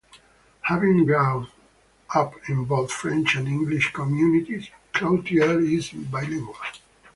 Having grown up in both French and English communities, Cloutier is bilingual.